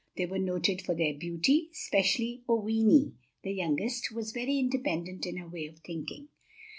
They were noted for their beauty, especially Oweenee, the youngest, who was very independent in her way of thinking.